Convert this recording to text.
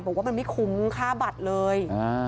บอกว่ามันไม่คุ้มค่าบัตรเลย